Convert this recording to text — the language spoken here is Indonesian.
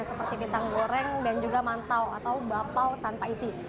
seperti pisang goreng dan juga mantau atau bapau tanpa isi